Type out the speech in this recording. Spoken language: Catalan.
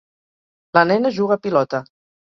La nena juga a pilota